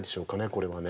これはね。